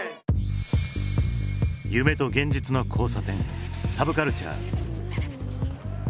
夢と現実の交差点サブカルチャー。